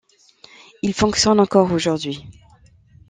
Il fonctionne encore aujourd'hui.